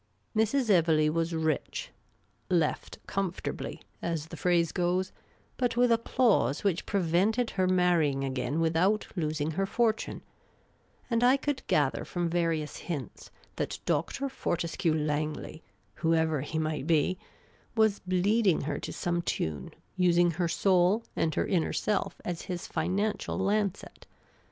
'' Mrs. Evelegh was rich —*' left comfortably," as the phrase goes, but with a clause which prevented her marrying again without losing her fortune ; and I could gather from various The Amateur Commission Agent 109 hints that Dr. Fortescue Langley, whoever he might be, was bleeding her to some tune, using her soul and her inner self as his financial lancet.